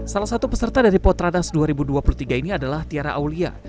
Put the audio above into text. salah satu peserta dari potradas dua ribu dua puluh tiga ini adalah tiara aulia